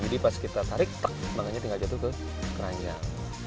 jadi pas kita tarik mangga nya tinggal jatuh ke keranjang